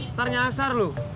ntar nyasar lo